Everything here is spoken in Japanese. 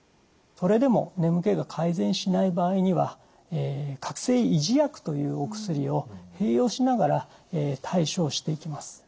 それでも眠気が改善しない場合には覚醒維持薬というお薬を併用しながら対症していきます。